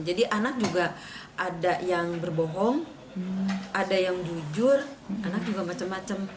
jadi anak juga ada yang berbohong ada yang jujur anak juga macam macam